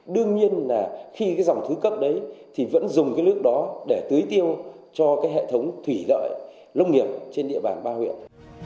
đương nhiên là khi dòng thứ cấp đấy thì vẫn dùng nước đó để tưới tiêu cho hệ thống thủy lợi lông nghiệp trên địa bàn ba huyện